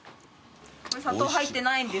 砂糖入ってないんです。